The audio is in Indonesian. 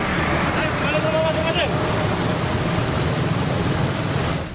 jangan lupa jangan lupa jangan lupa